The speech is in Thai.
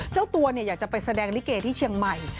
เจ้าตัวอยากจะไปแสดงลิเกที่เชียงใหม่